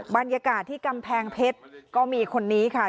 บรรยากาศที่กำแพงเพชรก็มีคนนี้ค่ะ